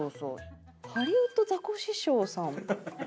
ハリウッドザコシショウさん。